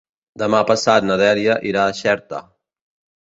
Demà passat na Dèlia irà a Xerta.